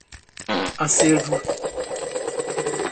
acervo